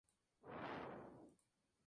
Farrar asistió a The Buckley School.